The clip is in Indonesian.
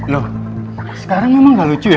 loh sekarang memang gak lucu ya